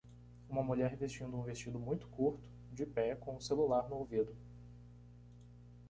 Uma mulher vestindo um vestido muito curto, de pé com o celular no ouvido.